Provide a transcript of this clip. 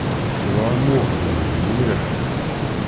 Dɣa mmuɣebnen mliḥ.